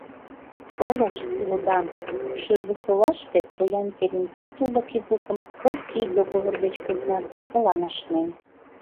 — Колышт, лудам: «Шӱргысолаште поян Терентей тулык Ивукым кок ий договор деч посна тарзылан ашнен.